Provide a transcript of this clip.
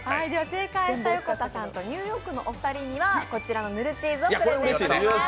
正解した、横田さんとニューヨークさんにはこちらの、ぬるチーズをプレゼントします。